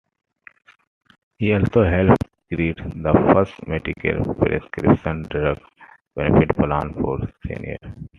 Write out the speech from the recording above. He also helped create the first Medicare Prescription Drug benefit plan for seniors.